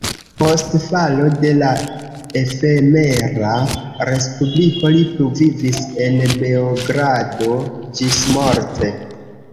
Post falo de la efemera respubliko li pluvivis en Beogrado ĝismorte.